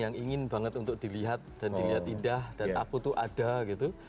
yang ingin banget untuk dilihat dan dilihat indah dan aku tuh ada gitu